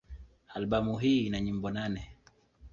Albamu hii ina nyimbo nane.